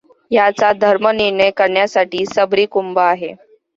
ह्याचा धर्मनिर्णय करण्यासाठी शबरी कुंभ आहे.